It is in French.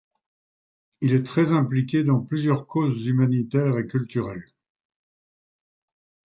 Il est très impliqué dans plusieurs causes humanitaires et culturelles.